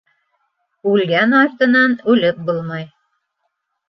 Үлгән артынан үлеп булмай.